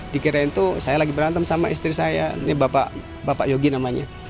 dikirain tuh saya lagi berantem sama istri saya ini bapak yogi namanya